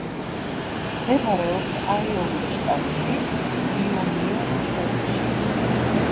მდებარეობს აიოვის შტატში, იუნიონის ოლქში.